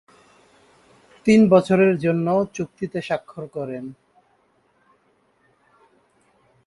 তিন বছরের জন্য চুক্তিতে স্বাক্ষর করেন।